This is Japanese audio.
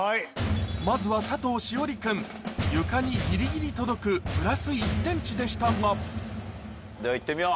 まずは佐藤栞里君床にギリギリ届くプラス１ｃｍでしたがでは行ってみよう。